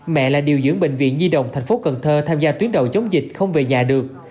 mẹ là điều dưỡng bệnh viện nhi đồng thành phố cần thơ tham gia tuyến đầu chống dịch không về nhà được